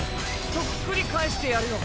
そっくり返してやるよ。